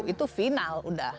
itu final sudah